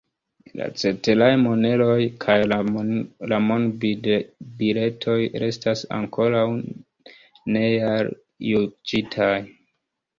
La ceteraj moneroj kaj la monbiletoj restas ankoraŭ nealjuĝitaj.